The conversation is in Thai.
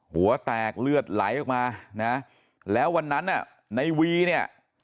หัวแตกเลือดไหลออกมานะแล้ววันนั้นน่ะในวีเนี่ย